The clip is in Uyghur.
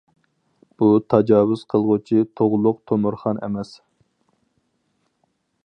بۇ تاجاۋۇز قىلغۇچى تۇغلۇق تۆمۈرخان ئەمەس.